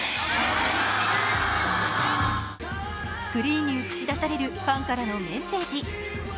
スクリーンに映し出されるファンからのメッセージ。